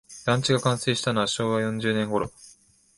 団地が完成したのは昭和四十年ごろ